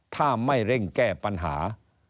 ถ้าไม่เร่งแก้ปัญหา